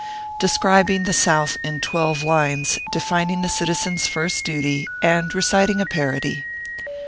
DESCRIBING THE SOUTH IN TWELVE LINES, DEFINING THE CITIZEN S FIRST DUTY, AND RECITING A PARODY.